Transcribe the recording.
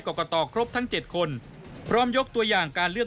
กรกตครบทั้ง๗คนพร้อมยกตัวอย่างการเลือก